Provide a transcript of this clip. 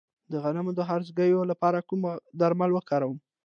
د غنمو د هرزه ګیاوو لپاره کوم درمل وکاروم؟